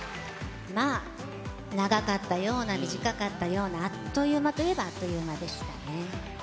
まあ、長かったような短かったような、あっという間といえば、あっという間でしたね。